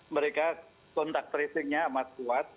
mereka kontak tracingnya amat kuat